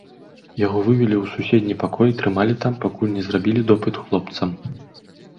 Яго вывелі ў суседні пакой і трымалі там, пакуль не зрабілі допыт хлопцам.